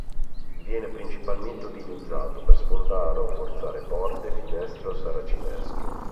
Viene principalmente utilizzato per sfondare o forzare porte, finestre o saracinesche.